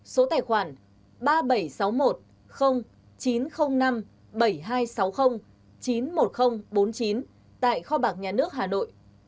số tài khoản ba nghìn bảy trăm sáu mươi một chín trăm linh năm bảy nghìn hai trăm sáu mươi chín mươi một nghìn bốn mươi chín tại kho bạc nhà nước hà nội